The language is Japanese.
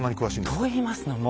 といいますのも。